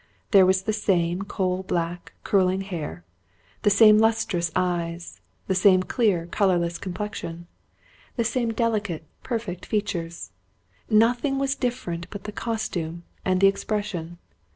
There was the same coal black, curling hair; the same lustrous dark eyes; the same clear, colorless complexion, the same delicate, perfect features; nothing was different but the costume and the expression.